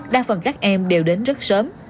đa phần các em đều đến rất sớm